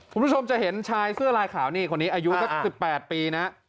คุณผู้ชมจะเห็นชายเสื้อลายขาวนี่คนนี้อายุสัก๑๘ปีนะ